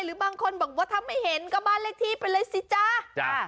หรือบางคนบอกว่าถ้าไม่เห็นก็บ้านเลขที่ไปเลยสิจ๊ะจ้า